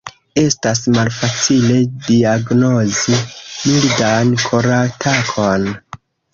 Estas malfacile diagnozi mildan koratakon.